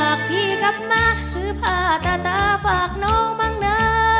หากพี่กลับมาซื้อผ้าตาตาฝากน้องมั้งนะ